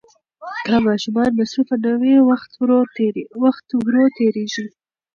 که ماشومان مصروف نه وي، وخت ورو تېریږي.